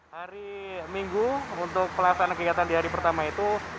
hari minggu untuk pelaksanaan kegiatan di hari pertama itu